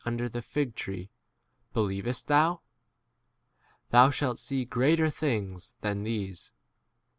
under the fig tree, believest thou ? Thou shalt see greater things than 51 these.